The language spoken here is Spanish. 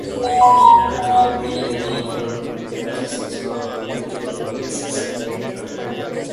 Actualmente es la mayor comunidad en la nueva Provincia de Barletta-Andria-Trani.